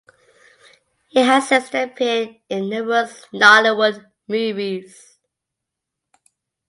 He has since then appeared in numerous Nollywood movies.